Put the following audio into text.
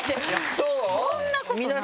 そう？